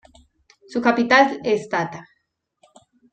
Su capital es Tata.